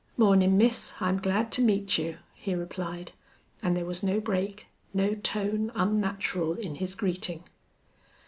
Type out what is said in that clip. "Mornin', miss. I'm glad to meet you," he replied, and there was no break, no tone unnatural in his greeting.